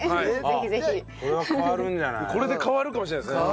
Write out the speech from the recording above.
これで変わるかもしれないですね。